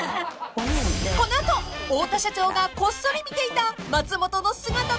［この後太田社長がこっそり見ていた松本の姿とは？］